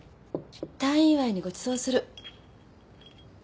退院祝いにごちそうする。